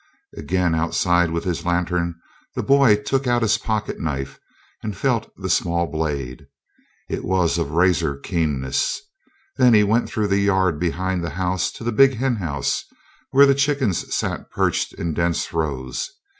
Again outside with his lantern, the boy took out his pocket knife and felt the small blade. It was of a razor keenness. Then he went through the yard behind the house to the big henhouse, where the chickens sat perched in dense rows.